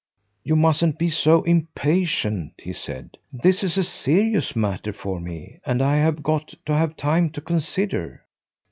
"You mustn't be so impatient," he said. "This is a serious matter for me, and I've got to have time to consider."